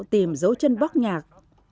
tìm dấu chân bóc nhạc